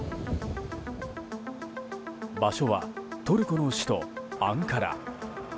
場所はトルコの首都アンカラ。